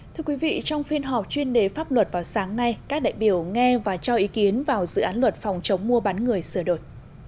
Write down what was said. thưa quý vị trong phiên họp chuyên đề pháp luật vào sáng nay các đại biểu nghe và cho ý kiến vào dự án luật phòng chống mua bán người sửa đổi